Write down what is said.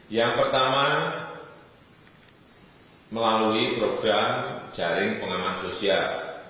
yang pertama melalui program jaring pengaman sosial